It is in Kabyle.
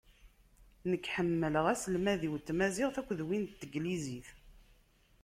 Nekk ḥemmleɣ aselmad-iw n tmaziɣt akked win n teglizit.